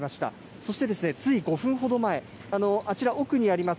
そしてつい５分ほど前、あちら奥にあります